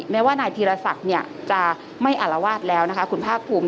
แม้ว่านายธีรศักดิ์จะไม่อารวาสแล้วนะคะคุณภาคภูมิ